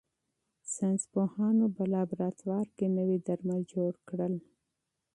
ساینس پوهانو په لابراتوار کې نوي درمل جوړ کړل.